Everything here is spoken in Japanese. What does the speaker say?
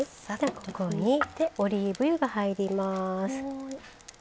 さてここにオリーブ油が入ります。